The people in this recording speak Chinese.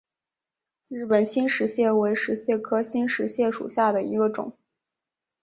日本新石蟹为石蟹科新石蟹属下的一个种。